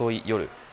夜